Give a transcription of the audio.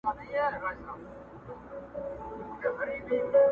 د هجران تبي نیولی ستا له غمه مړ به سمه!